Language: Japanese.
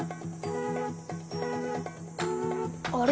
あれ？